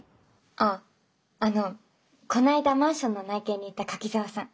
あっあのこの間マンションの内見に行った柿沢さん。